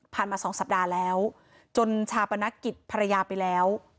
ผ่านมา๒สัปดาห์แล้วจนชาวประณะกิจภรรยาไปแล้ว